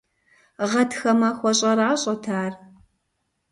Гъатхэ махуэ щӏэращӏэт ар.